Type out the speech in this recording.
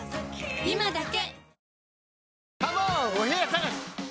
今だけ！